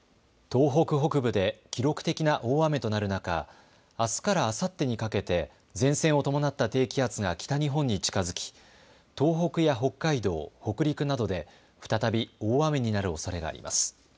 東北北部で記録的な大雨となる中、あすからあさってにかけて前線を伴った低気圧が北日本に近づき東北や北海道、北陸などで再び大雨になるおそれがあります。